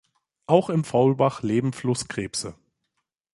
Auch im Faulbach leben Flusskrebse.